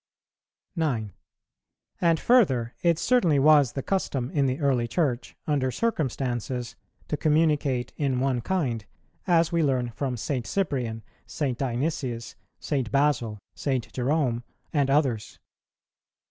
9. And, further, it certainly was the custom in the early Church, under circumstances, to communicate in one kind, as we learn from St. Cyprian, St. Dionysius, St. Basil, St. Jerome, and others.